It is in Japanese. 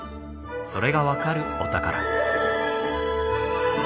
それが分かるお宝。